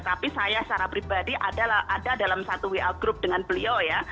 tapi saya secara pribadi ada dalam satu wa group dengan beliau ya